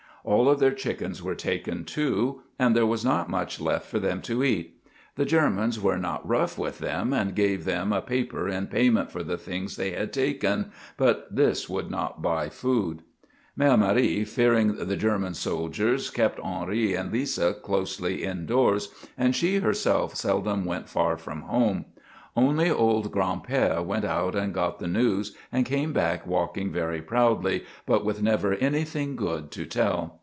All of their chickens were taken, too, and there was not much left for them to eat. The Germans were not rough with them and gave them a paper in payment for the things they had taken, but this would not buy food. Mère Marie, fearing the German soldiers, kept Henri and Lisa closely indoors, and she herself seldom went far from home. Only old Gran'père went out and got the news and came back walking very proudly but with never anything good to tell.